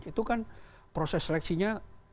itu kan proses seleksinya